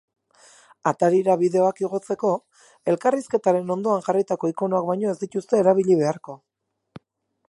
Atarira bideoak igotzeko, elkarrizketaren ondoan jarritako ikonoak baino ez dituzte erabili beharko.